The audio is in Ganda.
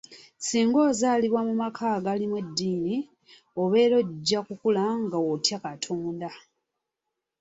"Singa ozaalibwa mu maka agalimu eddiini, obeera ojja kukula nga otya Katonda."